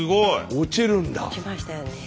落ちましたよね。